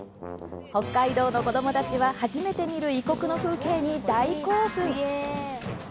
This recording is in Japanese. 北海道の子どもたちは初めて見る異国の風景に大興奮。